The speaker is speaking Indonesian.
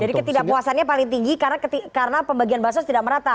jadi ketidakpuasannya paling tinggi karena pembagian bahan sos tidak merata